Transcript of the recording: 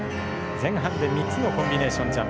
前半で３つのコンビネーションジャンプ。